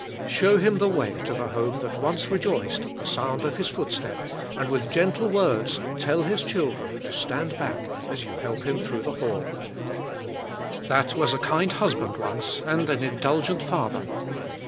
Show him the way to the home that once rejoiced at the sound of his footstep, and with gentle words tell his children to stand back as you help him through the hall. That was a kind husband once and an indulgent father.